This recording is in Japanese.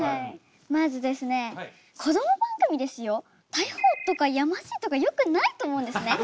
逮捕とかやましいとかよくないと思うんですね。